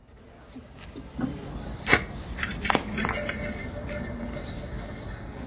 恨这部电影！